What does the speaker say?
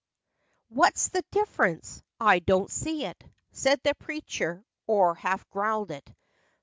'What's the difference? I don't see it," Said the preacher, or half growled it.